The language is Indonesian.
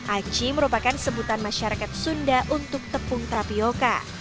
aci merupakan sebutan masyarakat sunda untuk tepung terapioka